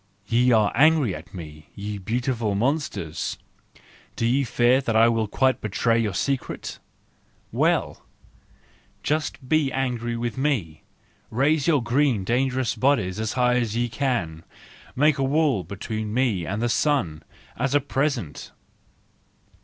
Ye are angry at me, ye beautiful monsters ? Do ye fear that I will quite betray your secret? Well! Just SANCTUS JANUARIUS 243 be angry with me, raise your green, dangerous bodies as high as ye can, make a wall between me and the sun—as at present!